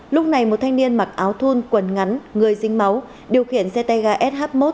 lúc này một thanh niên mặc áo thun quần ngắn người dính máu điều khiển xe tay ga sh một